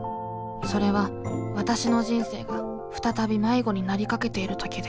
それはわたしの人生が再び迷子になりかけている時で